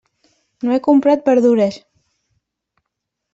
No he comprat verdures.